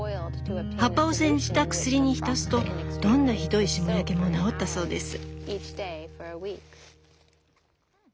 葉っぱを煎じた薬に浸すとどんなひどい霜焼けも治ったそうです。